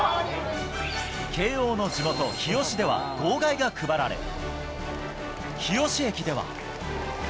慶応の地元、日吉では号外が配られ、日吉駅では。